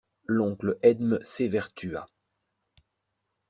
L'oncle Edme s'évertua.